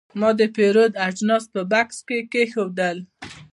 ما د پیرود اجناس په بکس کې کېښودل.